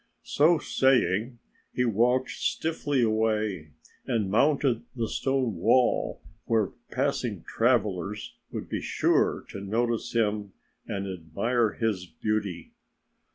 So saying, he walked stiffly away and mounted the stone wall, where passing travellers would be sure to notice him and admire his beauty.